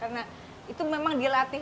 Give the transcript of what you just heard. karena itu memang dilatih